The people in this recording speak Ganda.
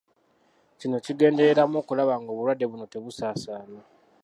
Kino kigendereramu okulaba ng'obulwadde buno tebusaasaana.